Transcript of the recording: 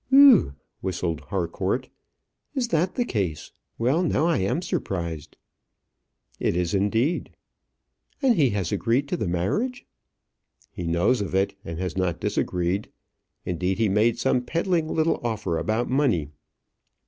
"Whew w w," whistled Harcourt; "is that the case? Well, now I am surprised." "It is, indeed." "And he has agreed to the marriage?" "He knows of it, and has not disagreed. Indeed, he made some peddling little offer about money."